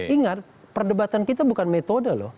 ingat perdebatan kita bukan metode loh